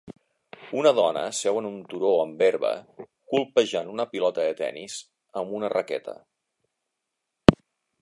Una dona seu en un turó amb herba colpejant una pilota de tenis amb una raqueta.